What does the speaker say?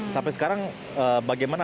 sampai sekarang bagaimana